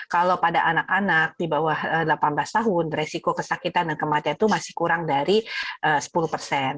kalau pada anak anak di bawah delapan belas tahun resiko kesakitan dan kematian itu masih kurang dari sepuluh persen